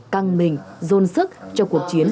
căng mình dôn sức cho cuộc chiến